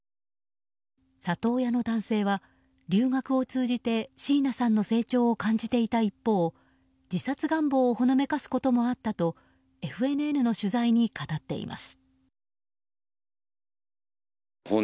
里親の男性は留学を通じて椎名さんの成長を感じていた一方自殺願望をほのめかすこともあったとＦＮＮの取材に語っています。